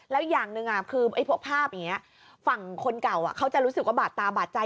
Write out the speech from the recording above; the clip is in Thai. แล้วอย่างหนึ่งคือพวกภาพอย่างนี้ฝั่งคนเก่าเขาจะรู้สึกว่าบาดตาบาดใจ